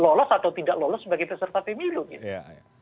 lolos atau tidak lolos sebagai peserta pemilu gitu